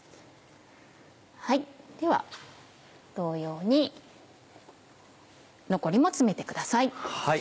では同様に残りも詰めてください。